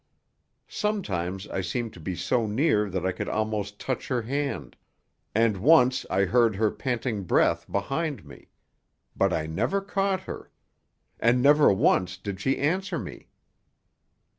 Sometimes I seemed to be so near that I could almost touch her hand, and once I heard her panting breath behind me; but I never caught her. And never once did she answer me.